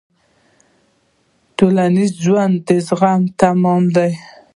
ټولنیز ژوند د زغم تمرین دی.